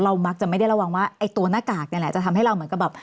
มักจะไม่ได้ระวังว่าไอ้ตัวหน้ากากนี่แหละจะทำให้เราเหมือนกับแบบ